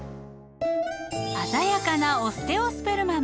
鮮やかなオステオスペルマム。